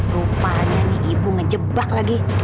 rupanya nih ibu ngejebak lagi